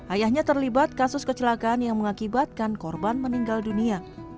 ayahnya terlibat kasus kecelakaan yang mengakibatkan korban meninggal dunia